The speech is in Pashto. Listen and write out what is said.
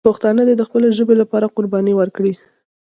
پښتانه دې د خپلې ژبې لپاره قرباني ورکړي.